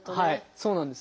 そうなんです。